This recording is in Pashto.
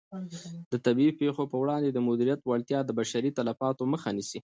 د طبیعي پېښو په وړاندې د مدیریت وړتیا د بشري تلفاتو مخه نیسي.